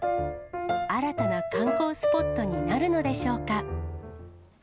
新たな観光スポットになるのでしょうか。